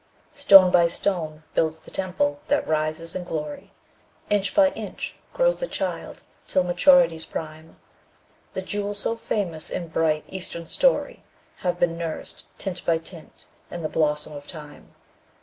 Stone by stone builds the temple that rises in glory, Inch by inch grows the child till maturity's prime; The jewels so famous in bright, Eastern story Have been nursed, tint by tint, in the blossom of Time.